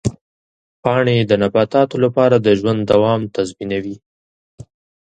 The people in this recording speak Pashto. پاڼې د نباتاتو لپاره د ژوند دوام تضمینوي.